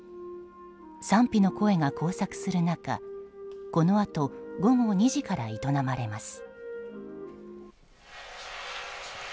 賛否の声が交錯する中このあと午後２時から営まれます。